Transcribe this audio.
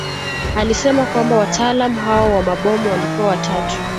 Alisema kwamba wataalamu hao wa mabomu walikuwa watatu